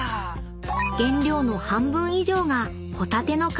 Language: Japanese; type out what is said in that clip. ［原料の半分以上がホタテの貝殻］